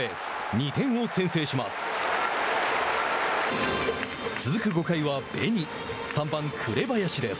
２点を先制します。